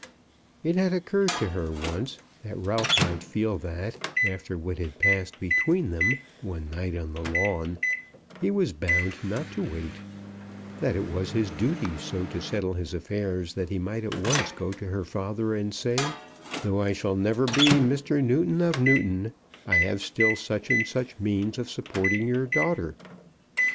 It had occurred to her once that Ralph might feel that, after what had passed between them one night on the lawn, he was bound not to wait, that it was his duty so to settle his affairs that he might at once go to her father and say, "Though I shall never be Mr. Newton of Newton, I have still such and such means of supporting your daughter."